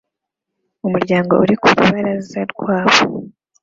Umuryango uri ku rubaraza rwabo